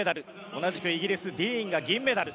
同じくイギリスディーンが銀メダル。